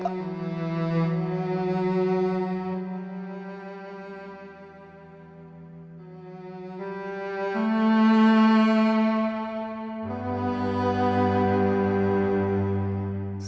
dari kekasaran bapak